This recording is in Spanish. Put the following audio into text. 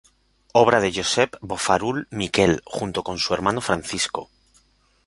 Obra de Josep Bofarull Miquel, junto con su hermano Francisco.